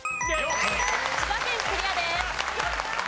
千葉県クリアです。